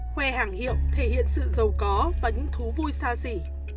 khoe hàng hiệu thể hiện sự giàu có và những thú vui xa xỉ